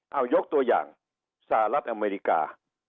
เอายกตัวอย่างสหรัฐอเมริกา